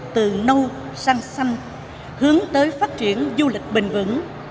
từ nâu sang xanh hướng tới phát triển du lịch bền vững